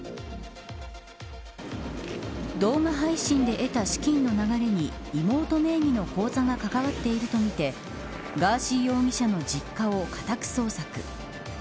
動画配信で得た資金の流れに妹名義の口座が関わっているとみてガーシー容疑者の実家を家宅捜索。